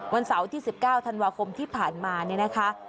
วันเสาร์ที่๑๙ธันวาคมที่ผ่านมาเนี่ยนะคะ